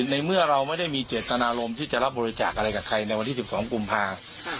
ในเมื่อเราไม่ได้มีเจตนารมณ์ที่จะรับบริจาคอะไรกับใครในวันที่๑๒กุมภา